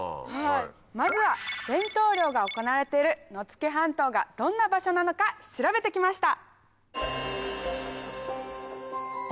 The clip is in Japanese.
まずは伝統漁が行われている野付半島がどんな場所なのか調べてきました。